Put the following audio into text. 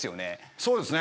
そうですね。